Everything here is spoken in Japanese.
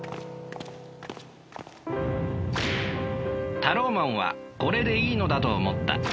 タローマンはこれでいいのだと思った。